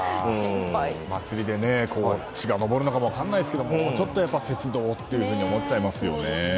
祭りで血が上るのかも分からないんですけどもうちょっと節度をと思っちゃいますよね。